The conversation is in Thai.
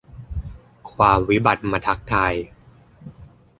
ความวิบัติมาทักทาย